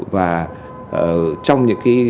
và trong những